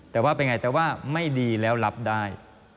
แต่ว่าเป็นไงแต่ว่าไม่ดีแล้วรับได้